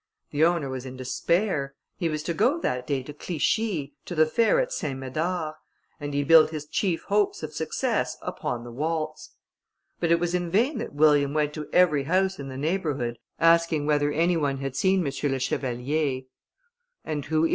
The owner was in despair; he was to go that day to Clichi, to the fair of St. Médard, and he built his chief hopes of success upon the waltz. But it was in vain that William went to every house in the neighbourhood, asking whether any one had seen M. le Chevalier. "And who is M.